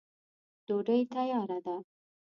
ډوډۍ تیاره ده.